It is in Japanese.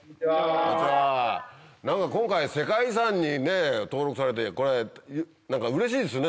今回世界遺産に登録されてこれ何かうれしいですよね